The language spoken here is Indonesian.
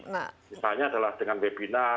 misalnya adalah dengan webinar